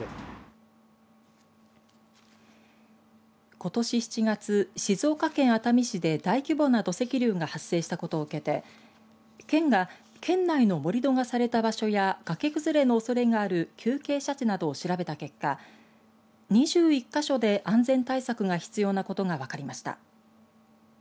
ことし７月、静岡県熱海市で大規模な土石流が発生したことを受けて県が、県内の盛り土がされた場所や崖崩れのおそれがある急傾斜地などを調べた結果２１か所で安全対策が必要なことが分かりました。